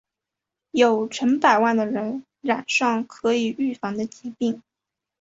有成百万的人染上可以预防的疾病。